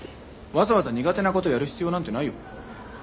わざわざ苦手なことやる必要なんてないよ。